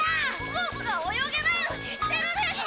ボクが泳げないの知ってるでしょ！